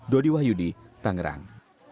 dodi wahyudi tangerang